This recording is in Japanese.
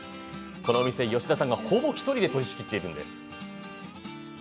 このお店、吉田さんがほぼ１人で取り仕切っているんです。